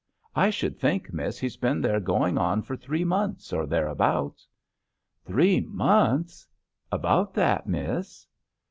I should think, miss, he's been there going on for three months or thereabouts." "Three months!" "About that, miss."